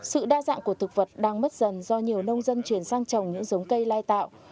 sự đa dạng của thực vật đang mất dần do nhiều nông dân chuyển sang trồng những giống cây lai tạo